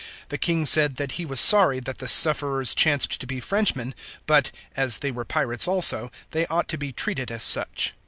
The King said that he was sorry that the sufferers chanced to be Frenchmen, but, as they were pirates also, they ought to be treated as such.